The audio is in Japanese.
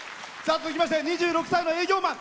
続きまして２６歳の営業マン。